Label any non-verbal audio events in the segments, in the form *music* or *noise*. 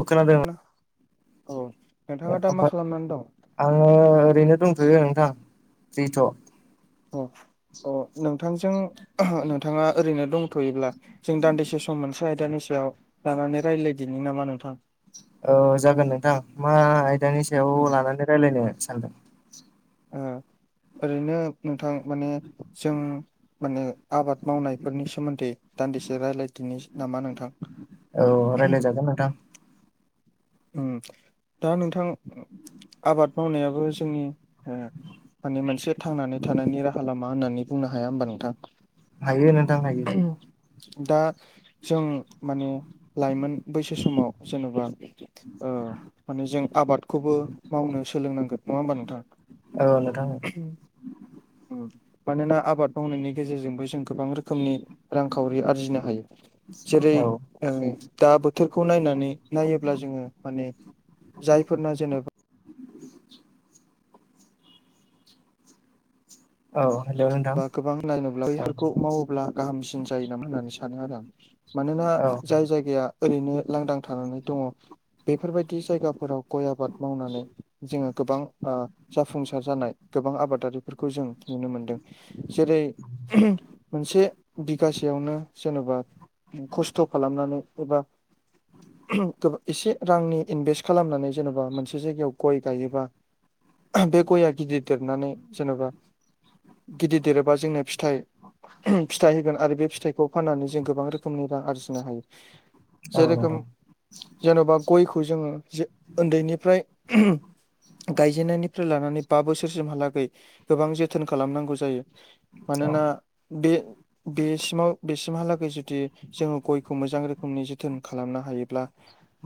खोनादों नो औ नोंथाङा दा मा ओमफ्राय खालामनानै दं? आङो ओरैनो दंथ'यो नोंथां रिथ' अ अ नोंथांजों नोंथाङा ओरैनो दंथ'योब्ला जों दान्दिसे सम मोनसे आयदानि सायाव लानानै रायलायदिनि नामा नोंथां? औ जागोन नोंथां मा आयदानि सायाव उम लानानै रायलायनो सानदों? ओ ओरैनो नोंथां माने जों माने आबाद मावनायफोरनि सोमोन्दै दान्दिसे रायलाय दिनि नामा नोंथां? जागोन नोंथां। उम दा नोंथां आबाद मावनायाबो जोंनि ओ माने मोनसे थांनानै थानायनि राहा लामा होननानै बुंनो हाया हबा नोंथां। हायो नोंथां हायो। दा जों माने लाइमोन बैसो समाव जेनेबा। ओ माने जों आबादखौबो मावनो सोलोंनांगोन नङा होमबा नोंथां। औ नोंथां। उम मानोना आबाद मावनायनि गेजेरजोंबो जों गोबां रोखोमनि। रांखावरि आरजिनो हायो जेरै औ ओ दा बोथोरखौ नायनानै नायोब्ला जोङो माने जायफोरना जेनेब औ हेलौ नोंथां। *unintelligible* बा‌ गोबां‌ नियनोबा‌ औ बैफोरखौ‌ मावोबा गाहामसिन जायो नामा होननानै सानो आरो आं मानोना औ जाय जायगाया। ओरैनो लांदां थानानै दङ बेफोरबायदि जायगा। फोराव गय आबाद मावनानै जोङो गोबां ओ जाफुंसार जानाय गोबां आबादारिफोरखौ जों नुनो मोनदों। जेरै मोनसे बिगासेयावनो जेनेबा। खस्थ' खालामनानै एबा एसे रांनि इनभेस्ट खालामनानै जेनेबा मोनसे जायगायाव गय गायोबा। बे गया गिदिर देरनानै जेनेबा। गिदिर देरोबा जोंनो फिथाइ फिथाइ होगोन आरो बे फिथाइखौ फाननानै जों गोबां रोखोमनि रां आरजिनो हायो औ जेरोखोम नोंथां जेन'बा गयखौ जोङो जे उन्दैनिफ्राय। गायजेननायनिफ्राय लानानै बा बोसोरसिमहालागै गोबां जोथोन खालाम खालामनांगौ जायो औ मानोना बे बेसिमाव बेसिमहालागै जुदि। जोङो गयखौ मोजां रोखोमनि जोथोन खालामनो हायोब्ला।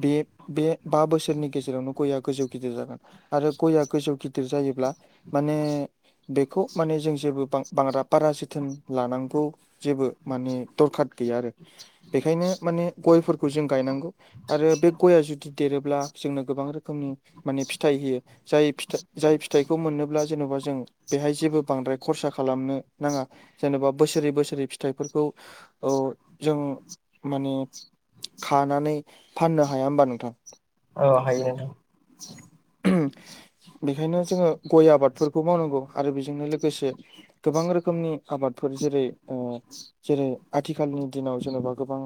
बे बे बा बोसोरनि गेजेरावनो गयआ गोजौ गिदिर जागोन। आरो गयआ गोजौ गिदिर जायोब्ला माने बेखौ। माने जों जेबो बांङ बांरा पारा जोथोन लानांगौ। जेबो माने दरखार गैया आरो बेखायनो माने गयफोरखौ जों गायनांगौ। आरो बे गया जुदि देरोब्ला जोंनो गोबां रोखोमनि माने फिथाइ होयो। जाय फिथा जाय फिथाइखौ मोनोब्ला जेन'बा जों बेहाय जेबो बांद्राय खरसा खालामनो नाङा जेनेबा बोसोरै बोसोरै फिथाइफोरखौ। औ जों माने खानानै फाननो हाया होमबा नोंथां। औ हायो नोंथां। बेखायनो जोङो गय आबादफोरखौ मावनांगौ आरो बेजोंनो लोगोसे। गोबां रोखोमनि आबादफोर जेरै ओ। जेरै आथिखालनि दिनाव जेन'बा गोबां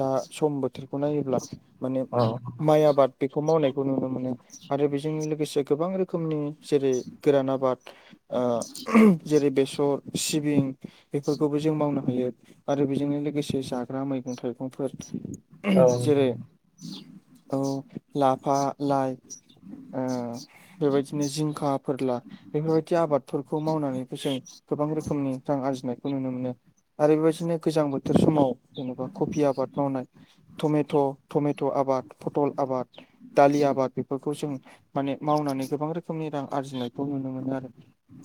दा सम बोथोरखौ नायोब्ला। माने औ माइ आबाद बेखौ मावनायखौ नुनो मोनो। आरो बेजों लोगोसे गोबां रोखोमनि जेरै गोरान आबाद। ओ जेरै बेसर सिबिं बेफोरखौबो जों मावनो हायो। आरो बेजोंनो लोगोसे जाग्रा मैगं थाइगंफोर। औ जेरै औ लाफा लाइ। ओ बेबायदिनो जिंखा फोरला। बेफोरबायदि आबादफोरखौ मावनानैबो जों गोबां रोखोमनि रां आरजिनायखौ नुनो मोनो। आरो बेबायदिनो गोजां बोथोर समाव जेनेबा कबि आबाद मावनाय। टमेट' टमेट' आबाद फटल आबाद दलि आबाद। बेखौ जों माने मावनानै गोबां रोखोमनि रां आरजिनायखौ नुनो मोनो आरो।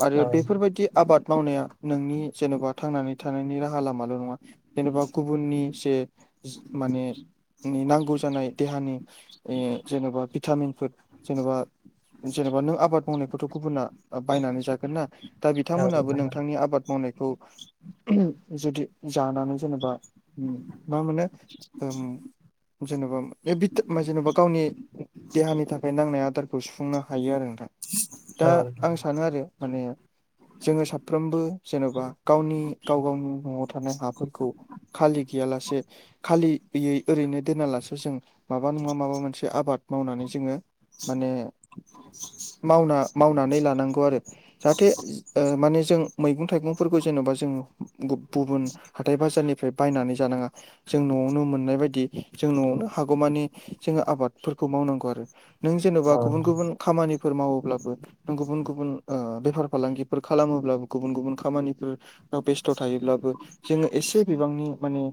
आरो बेफोरबायदि आबाद मावनाया नोंनि जेन'बा थांनानै थानायनि राहा लामाल' नङा। जेनेबा गुबुुननि से माने। नि नांगौ जानाय देहानि ए जेन'बा भिटामिन। फोद जेनेबा जेनेबा नों आबाद मावनायखौथ' गुबुना बायनानै जागोन ना। दा बिथांमोनहाबो नोंथां नोंथांनि आबाद मावनाय। औ जुदि जानानै जेनेबा ओम मा मोनो जेनेबा जेनेबा गावनि देहानि थाखाय नांनाय आदारखौ सुफुंनो हायो आरो नोंथां औ दा आं सानो आरो माने जोङो साफ्रोमबो जेन'बा गावनि गाव गावनि न'आव थानाय हाफोरखौ खालि गैयालासे खालियै ओरैनो दोनालासे जों माबा नङा माबा मोनसे आबाद मावनानै जोङो माने मावना मावनानै लानांगौ आरो जाहाथे ओ माने जों मैगं थाइगंफोरखौ जेनेबा जोङो गुबुन हाथाइ बाजारनिफ्राय बायनानै जानाङा जों न'आवनो मोननाय बायदि जों न'आवनो हागौमानि जोङो आबादफोरखौ मावनांगौ आरो नों औ जेन'बा गुबुन गुबुन खामानिफोर मावोब्लाबो गुबुन गुबुन ओ बेफार फालांगिफोर खालामोब्लाबो गुबुन गुबुन खामानिफोर बेस्थ' थायोब्लाबो जोङो एसे बिबांनि माने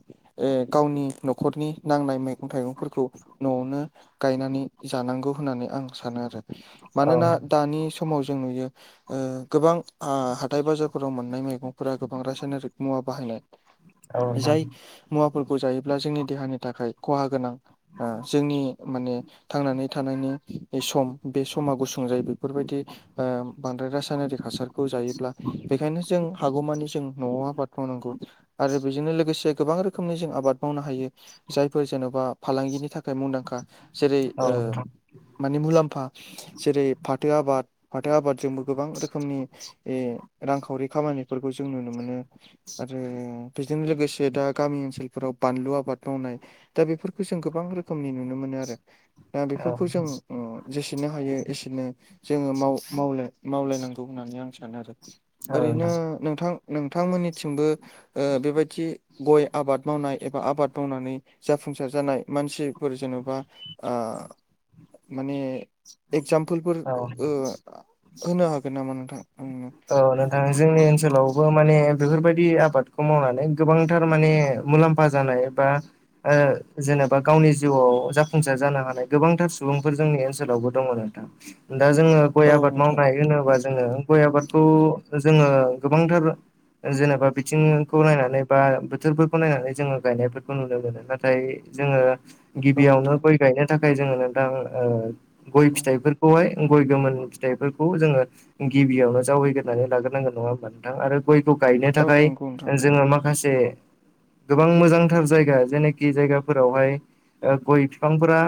ए गावनि न'खरनि नांनाय मैगं थाइगंफोरखौ न'आवनो गायनानै जानांगौ होननानै आं सानो आरो मानोना दानि समाव जों नुयो ओ गोबां ओ हाथाइ बाजारफोराव मोननाय मैगंफोरा गोबां रासायनारिक मुवा बाहायनाय औ नोंथां जाय मुवाफोरखौ जायोब्ला जोंनि देहानि थाखाय खहा गोनां ओ जोंनि माने थांनानै थानायनि सम बे समा गुसुं जायो बेफोरबायदि ओ बांद्राय रासायनारि हासारखौ जायोब्ला बेखायनो जों हागौमानि जों न'आव आबाद मावनांगौ आरो बेजोंनो लोगोसे गोबां रोखोमनि जों आबाद मावनो हायो जायफोर जेन'बा फालांगिनि थाखाय मुंदांखा जेरै औ ओ नोंथां औ माने मुलाम्फा जेरै फाथो आबाद फाथो आबादजोंबो गोबां रोखोमनि ए रांखावरि खामानिफोरखौ जों नुनो मोनो आरो बेजों लोगोसे दा गामि ओनसोलफोराव बानलु आबाद मावनाय दा बेफोरखौ जों गोबां रोखोमनि नुनो मोनो आरो दा बेफोरखौ जों जेसेनो हायो एसेनो जोङो माव मावलायनांगौ होननानै आं सानो आरो औ ओरैनो नोंथां नोंथां नोंथांमोननिथिंबो ओ बेबायदि गय आबाद मावनाय एबा आबाद मावनानै जाफुंसार जानाय मानसिफोर जेन'बा ओ माने एक्जामपोलफोर औ ओ होनो हागोन नामा नोंथांनो आंनो औ नोंथां जोंनि ओनसोलावबो माने बेफोरबायदि आबादखौ मावनानै गोबांथार माने मुलाम्फा। फा जानाय बा ओ जेनेबा गावनि जिउआव जाफुंसार जानो हानाय गोबांथार सुबुंफोर जोंनि ओनसोलावबो दंङ नोंथां दा जोङो गय औ आबाद नोंथां मावनाय होनोबा जोङो गय आबाद खौ जोंङो गोबांथार जेनेबा बिथिंखौ नायनानै बा बोथोरफोरखौ नायनानै जोङो गायनायफोरखौ नुनो मोनो नाथाय जोंङो औ गिबियावनो नोंथां गय गायनो थाखाय जोङो नोंथां ओ गय औ फिथाइफोरखौहाय गय गोमोन फिथाइफोरखौ जोङो गिबियावनो जावैग्रोनानै लाग्रोनांगोन नङा होमब्ला नोंथां आरो गयखौ गायनो औ थाखाय नंगौ नोंथां जोङो माखासे गोबां मोजांथार जायगा जेनाखि जायगाफोरावहाय ओ गय बिफांफोरा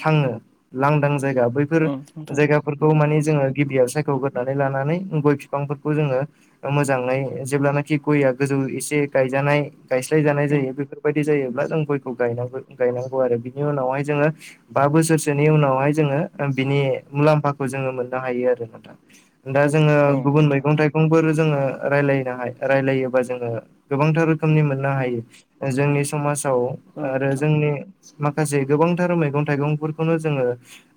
थाङो लांदां जायगा बै बैफोर उम नोंथां जायगाफोरखौ उम माने जोङो गिबियाव सायख'ग्रोनानै लानानै गय बिफांफोरखौ जोङो मोजाङै जेब्लानाखि गयआ गोजौ एसे गायजानाय गायस्लाय जानाय जायो बेफोरबायदि जायोब्ला जों गयखौ गायनांग गायनांगौ आरो बिनि उनावहाय जोङो बा बोसोरसोनि उनावहाय जोंङो बिनि मुलाम्फाखौ जोंङो मोननो हायो आरो नोंथां दा जोङो उम औ गुबुन नोंथां मैगं थाइगं सुबुंफोर जोङो रायलायनो रायलायोबा जोङो गोबांथार रोखोमनि मोननो उम हायो। जोंनि समाजाव औ आरो नोंथां जोंनि माखासे गोबांथार मैगं थाइगंफोरखौनो जोंङो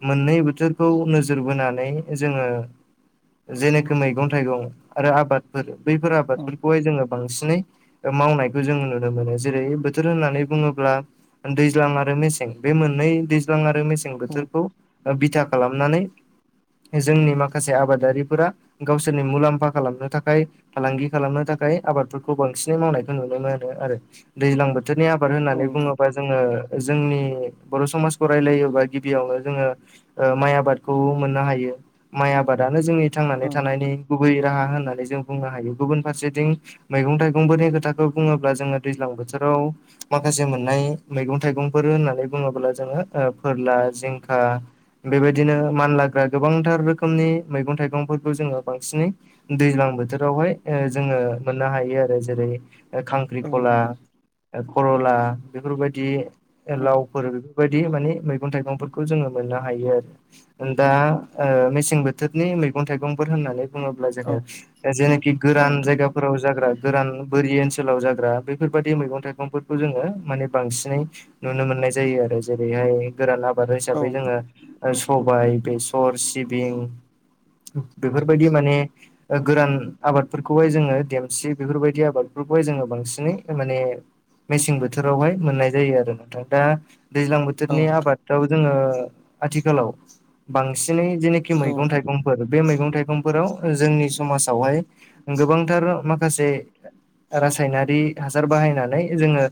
मोननै बोथोरखौ नोजोर बोनानै जोंङो जेनेखि मैगं थाइगं आरो आबादफोर बैफोर उम आबादफोरखौहाय जोङो। बांसिनै मावनायखौ जों नुनो मोनो जेरै बोथोर होननानै बुङोब्ला दैज्लां आरो मेसें बे मोननै दैज्लां आरो मेसें उम बोथोरखौ ओ बिथा खालामनानै जोंनि माखासे आबादारि फोरा गावसोरनि मुलाम्फा खालामनो थाखाय फालांगि खालामनो थाखाय आबादफोरखौ बांसिनै मावनायखौ नुनो मोनो आरो दैज्लां बोथोर बोथोरनि आबाद औ होननानै नोंथां बुङोबा जोङो जोंनि बर' समाजखौ रायलायोबा गिबियावनो जोंङो ओ माइ आबादखौ मोननो हायो माइ आबादानो जोंनि औ थांनानै थानायनि गुबै राहा होननानै जों बुंनो हायो गुबुन फारसेथिं मैगं थाइगंफोरनि खोथाखौ बुङोब्ला जोङो दैज्लां बोथोराव माखासे मोननाय मैगं थाइगंफोर होननानै बुङोब्ला जोङो फोरला जिंखा बेबायदिनो मान लाग्रा गोबांथार रोखोमनि मैगं थाइगं फोरखौ जोङो बांसिनै दैज्लां बोथोरावहाय जोंङो मोननो हायो आरो जेरै नोंथां औ खांख्रिखला नोंथां खरला बेफोरबायदि उम लावफोर बेफोरबायदि बिदि माने मैगं थाइगंफोरखौ जोङो मोननो हायो आरो दा ओ मेसें बोथोरनि मैगं थाइगंफोर होननानै बुङोब्ला औ जोङो जेनेखि गोरान औ जायगा फोराव जाग्रा गोरान बोरि ओनसोलाव जाग्रा बेैफोरबाददि मैगं थाइगंफोरखौ जोङो माने बांसिनै नुनो मोननाय जायो आरो जेरैहाय गोरान आबाद नोंथां औ हिसाबै जोङो सबाय बेसर सिबिं बेफोरबायदि माने गोरान आबादफोरखौहाय जोङो देमसि बेफोरबायदि आबादफोरखौहाय जोङो बांसिनै माने मेसें बोथोरावहाय मोननाय जायो आरो नोंथां दा दैज्लां बोथोर बोथोरनि नोंथां आबादाव जोङो आथिखालाव बांसिनै जेनोखि मैगं औ नोंथां थाइगं बे मैगं थाइगंफोराव जोंनि समाजावहाय गोबांथार माखासे रासायनारि हासार बाहायनानै जोंङो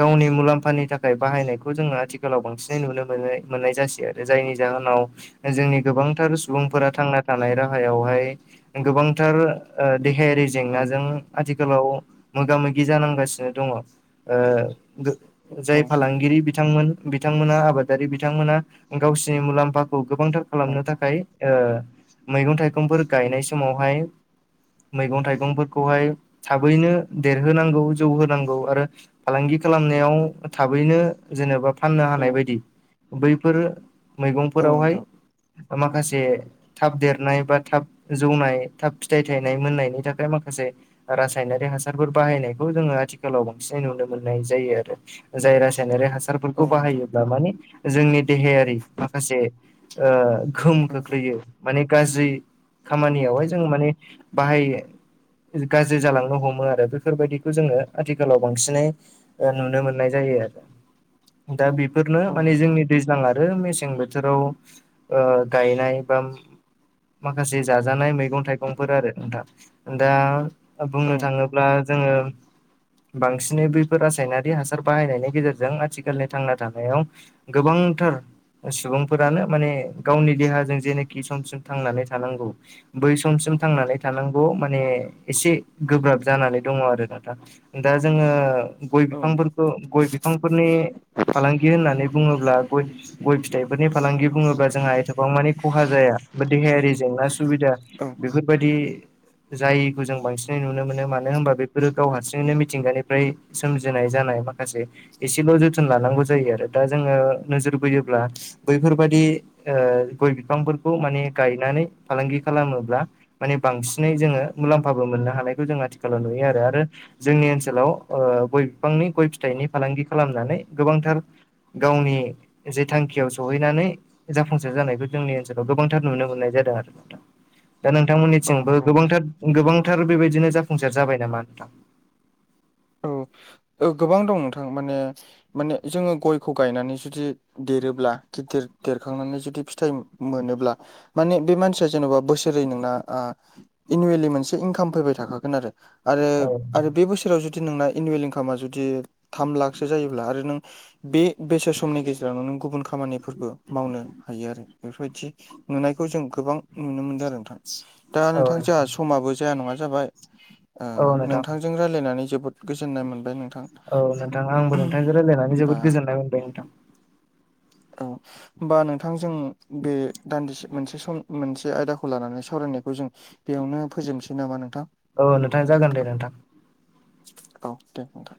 गावनि मुलाम्फानि थाखाय बाहायनायखौ जोङो आथिखालाव बांसिनै नुनो मोनो मोननाय जासै आरो जायनि जाहोनाव जोंनि गोबांथार सुबुंफोरा थांना थानाय राहायावहाय गोबांथार ओ देहायारि जेंनाजों आथिखालाव मोगा मोगि जानांगासिनो दङ' ओ गो जाय फालांगिरि बि बिथांमोन बिथांमोना आबादारि बिथांमोना गावसिनि मुलाम्फा खौ गोबांथार खालामनो औ थाखाय ओ मैगं थाइगंफोर गायनाय समावहाय मैगं थाइगंफोरखौहाय थाबैनो देरहोनांगौ जौहोनोनांगौ आरो फालांगि खालामनायाव थाबैनो जेनेबा औ फाननो औ हानाय उम औ बायदि बैफोर औ मैगंफोरावहाय नोंथां माखासे थाब देरनाय बा थाब जौनाय थाब फिथाइ थायनाय मोननायनि थाखाय माखासे रासायनारि हासारफोर बाहायनायखौ जोङो आथिखालाव बांसिनै नुनो मोननाय जायो आरो जाय रासायनारि औ हासारफोरखौ नोंथां बाहायोब्ला माने जोंनि देहायारि माखासे ओ गोहोम औ खोख्लैयो माने गाज्रि औ खामानियावहाय नोंथां जों माने बाहाय गाज्रि जालांनो हमो आरो बेफोरबायदिखौ जोङो आथिखालाव बांसिनै नुनो मोननाय जायो आरो दा बे बेफोरनो औ माने नोंथां जोंनि दैज्लां आरो मेसें बोथोराव ओ गायनाय बा माखासे जाजानाय मैगं थाइगंफोर आरो नोंथां। दा औ बुंनो नंगौ थाङोब्ला जोङो बांसिनै बैफोर रासायनारि हासार बाहायनायनि गेजेरजों आथिखालनि थांना थानायाव गोबांथार सुबुंफोरानो माने गावनि देहाजों जेनोखि इ समसिम थांनानै थानांगौ बै समसिम थांनानै थानांगौ माने एसे गोब्राब जानानै दङ' आरो नाथां दा जोङो गय औ नोंथां बिफांफोरखौ गय बिफांफोरनि फालांगि होननानै बुङोब्ला गय-गय फिथाइफोरनि फालांगि बुङोब्ला जोंहा एथ'बां मानि खहा जाया बा देहायारि जेंना सुबिदा औ बेफोरबायदि जायखौ जों बांसिनै नुनो मोनो मानो होनबा बेफोरो गाव हारसिङैनो मिथिंगानिफ्राय सोमजिनाय जानाय माखासे एसेल' जोथोन लानांगौ जायो आरो दा जोङो नोजोर बोयोब्ला बैफोरबायाददि ओ गय बिफांफोरखौ माने गायनानै फालांगि खालामोब्ला माने बांसिनै जोङो मुलाम्फाबो मोननो हानायखौ जों आथिखालाव नुयो आरो आरो जोंनि ओनसोलाव ओ गय बिफांनि गय फिथाइनि फालांगि खालामनानै गोबांथार गावनि जे थांखियाव सहैनानै जाफुंसार जानायखौ जोंनि सोलाव गोबांथार नुनो मोननाय जादों आरो नोंथां दा औ नोंथांमोननिथिंबो नंगौ नोंथां गोबांथार गोबांथार बेबायदिनो जाफुंसार जाबाय नामा नोंथां? औ औ गोबां दं नोंथां माने माने जोङो गयखौ गायनानै जुदि देरोब्ला गिदिर देरखांनानै जुदि फिथाइ मोनोब्ला माने बे मानसिया जेन'बा बोसोरै नोंना ओ एनुवेलि मोनसे इनकाम फैबाय थाखागोन आरो, आरो औ आरो बे बोसोराव जु दि नोंना एनुयेल इनकामा जुदि थाम लाखसो जायोब्ला आरो नों बे बेसे समनि गेजेरावनो नों गुबुन खामानिफोरबो मावनो हायो आरो बेफोरबायदि! नुनायखौ जों गोबां नुनो मोनदों आरो नोंथां दा औ नोंथां जोंहा समाबो जाया नङा जाबायू ओ औ नोंथां नोंथांजों रायजलायनानै जोबोद गोजोननाय मोनबाय नोंथां औ नोंथां आंबो नोंथांजों रायलायनानै जोबोद होमबा गोजोननाय मोनबाय नोंथां। औ बा नोंथांजों बे दान्दिसे मोनसे सम मोनसे आयदाखौ लानानै सावरायनायखौ जों बेयावनो फोजोबनोसै नामा नोंथां? औ नोंथां जागोन दे नोंथां। औ दे नोंथां